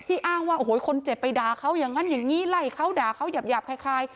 ที่อ้างว่าโอ้โหคนเจ็บไปดาเขาอย่างงั้นอย่างงี้ไล่เขาดาเขาหยับหยับคล้ายคล้าย